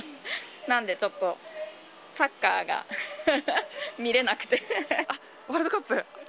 なんで、ちょっとサッカーが見れワールドカップ？